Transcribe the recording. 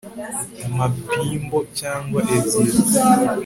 mpa pimple cyangwa ebyiri